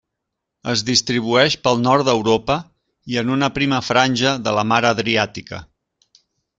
Es distribueix pel nord d'Europa i en una prima franja de la mar Adriàtica.